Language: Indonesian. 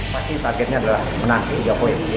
pasti targetnya adalah menang di jokowi